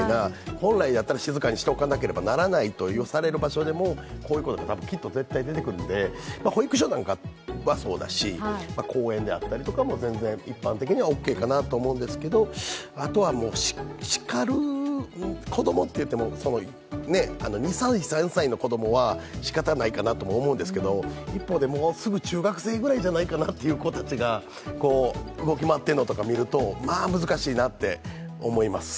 本来だったら静かにしておかなければならないという場所でもこういう声がきっと出てくるので、保育所なんかはそうだし、公園であったりとかも全然一般的にオーケーかなと思うんですけど、あとは子供といっても２歳、３歳の子供はしかたないかなとも思うんですけど、一方で、もうすぐ中学生ぐらいじゃないかなという子供たちが動き回っているのとかを見ると、まぁ、難しいなと思います。